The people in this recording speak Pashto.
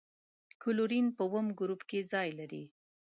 کلورین په اووم ګروپ کې ځای لري.